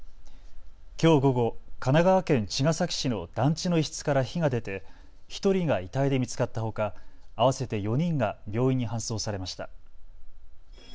きょう午後、神奈川県茅ヶ崎市の団地の一室から火が出て１人が遺体で見つかったほか合わせて４人が病院に搬送されました。